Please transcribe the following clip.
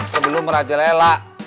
sebelum raja lela